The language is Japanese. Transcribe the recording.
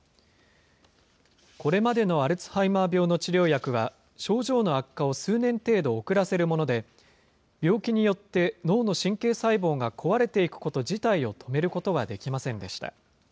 これまでのアルツハイマー病の治療薬は、症状の悪化を数年程度遅らせるもので、病気によって脳の神経細胞が壊れていくこと自体を止めることはできませんでした。